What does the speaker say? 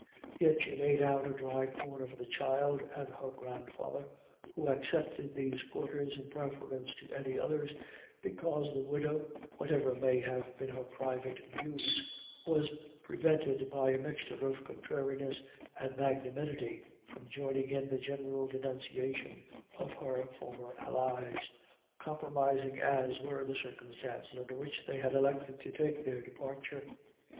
Yet she made out a dry corner for the child and her grandfather, who accepted these quarters in preference to any others, because the widow, whatever may have been her private views, was prevented by a mixture of contrariness and magnanimity from joining in the general denunciation of her former allies, compromising as were the circumstances under which they had elected to take their departure.